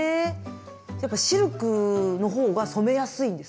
やっぱシルクの方が染めやすいんですか？